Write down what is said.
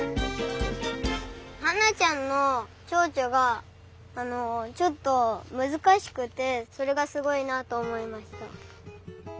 ハンナちゃんのチョウチョがちょっとむずかしくてそれがすごいなとおもいました。